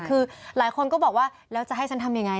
คือหลายคนก็บอกว่าแล้วจะให้ฉันทำยังไง